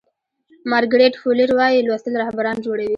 مارګریت فو لیر وایي لوستل رهبران جوړوي.